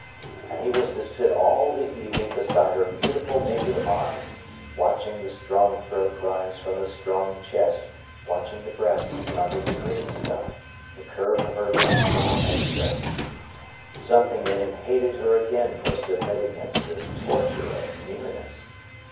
And he was to sit all the evening beside her beautiful naked arm, watching the strong throat rise from the strong chest, watching the breasts under the green stuff, the curve of her limbs in the tight dress. Something in him hated her again for submitting him to this torture of nearness.